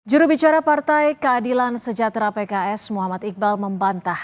jurubicara partai keadilan sejahtera pks muhammad iqbal membantah